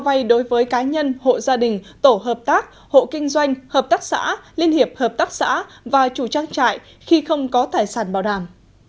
vay đối với cá nhân hộ gia đình tổ hợp tác hộ kinh doanh hợp tác xã liên hiệp hợp tác xã và chủ trang trại khi không có tài sản bảo đảm